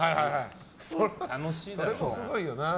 それもすごいよな。